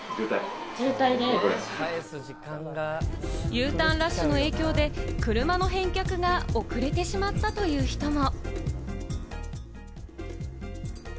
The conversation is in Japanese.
Ｕターンラッシュの影響で車の返却が遅れてしまったという人も。